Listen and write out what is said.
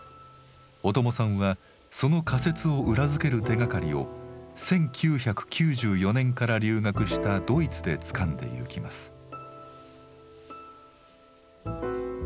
小友さんはその仮説を裏付ける手がかりを１９９４年から留学したドイツでつかんでゆきます。